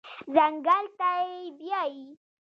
ځنګل ته بیایي